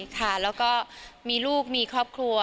ค่ะแล้วก็มีลูกมีครอบครัว